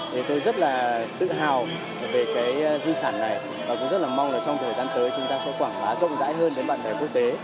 thì tôi rất là tự hào về cái di sản này và cũng rất là mong là trong thời gian tới chúng ta sẽ quảng bá rộng rãi hơn đến bạn bè quốc tế